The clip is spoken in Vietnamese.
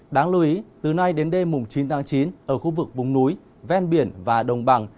đáng lưu ý từ nay đến đêm chín chín ở khu vực bùng núi ven biển và đồng bằng